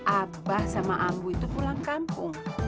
abah sama ambu itu pulang kampung